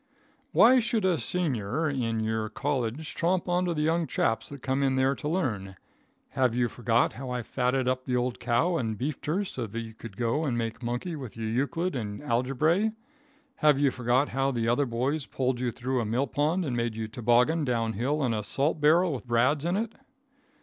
Why should a seanyour in a colledge tromp onto the young chaps that come in there to learn? Have you forgot how I fatted up the old cow and beefed her so that you could go and monkey with youclid and algebray? Have you forgot how the other boys pulled you through a mill pond and made you tobogin down hill in a salt barrel with brads in it?